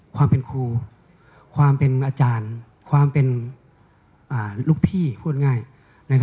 ความเป็นครูความเป็นอาจารย์ความเป็นลูกพี่พูดง่าย